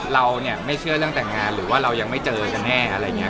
เราเนี่ยไม่เชื่อเรื่องแต่งงานหรือว่าเรายังไม่เจอกันแน่อะไรอย่างนี้